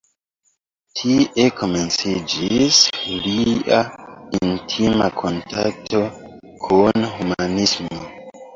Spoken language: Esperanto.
Tie komenciĝis lia intima kontakto kun humanismo.